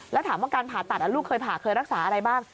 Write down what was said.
แล้วถามว่าการผ่าตัดลูกเคยผ่าเคยรักษาอะไรบ้าง